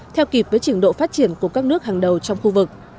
theo kịp với trình độ phát triển của các nước hàng đầu trong khu vực